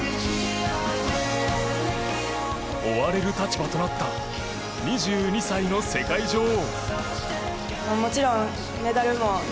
追われる立場となった２２歳の世界女王。